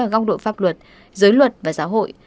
ở góc độ pháp luật giới luật và giáo hội